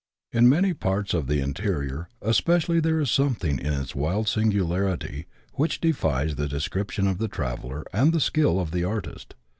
In many parts of the interior especially there is something in its wild singularity which defies the description of the traveller and the skill of the artist.